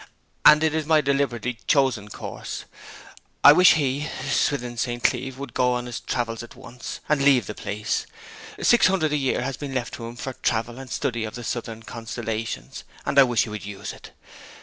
'And it is my deliberately chosen course. I wish he Swithin St. Cleeve would go on his travels at once, and leave the place! Six hundred a year has been left him for travel and study of the southern constellations; and I wish he would use it.